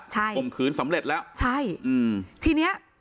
ใช่ข่มขืนสำเร็จแล้วใช่อืมทีเนี้ย